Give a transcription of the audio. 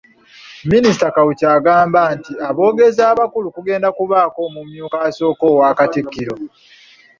Minisita Kawuki agamba nti aboogezi abakulu kugenda kubaako omumyuka asooka owa Katikkiro .